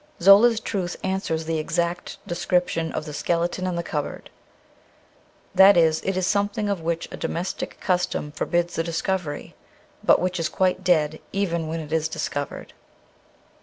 Zola's truth answers the exact description of the skeleton in the cupboard ; that is, it is something of which a domestic custom forbids the discovery, but which is quite dead, even when it is discovered.